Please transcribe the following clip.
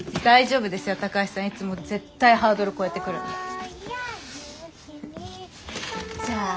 大丈夫ですよ高橋さんいつも絶対ハードル超えてくるんだから。